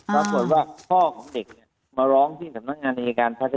แล้วตัวเล่นว่าพ่อของเด็กมาร้องที่จำนักงานอายการภาค